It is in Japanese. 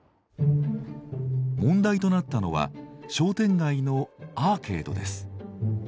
問題となったのは商店街のアーケードです。